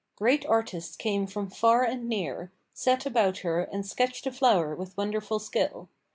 Great artists came from far and near, set about her and sketched the flower with wonderful skill.